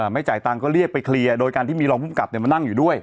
ไม่จ่ายตังค์ก็เรียกไปเคลียร์โดยการที่มีรองภูมิกับมานั่งอยู่ด้วย